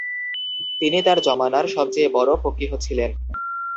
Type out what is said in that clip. তিনি তার যমানার সবচেয়ে বড় ফক্বীহ ছিলেন।